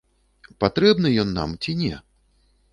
Патрэбны ён нам ці не?